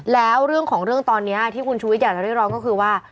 แล้วเรื่องของเรื่องตอนนี้ที่คุณชุวิตอยากจะเรียกร้องก็คือว่า